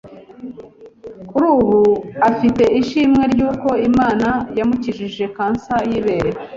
kuri ubu afite ishimwe ry’uko Imana yamukijije Cancer y’ibere.